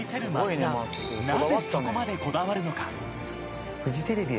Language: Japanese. ［なぜそこまでこだわるのか？］